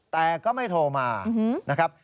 แต่ก็ไม่โทรมานะครับ